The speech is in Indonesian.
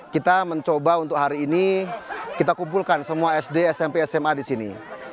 kita mencoba untuk hari ini kita kumpulkan semua sd smp sma di sini